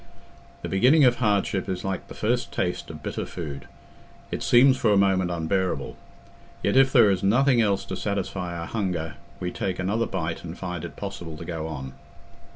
The beginning of hardship is like the first taste of bitter food—it seems for a moment unbearable; yet, if there is nothing else to satisfy our hunger, we take another bite and find it possible to go on.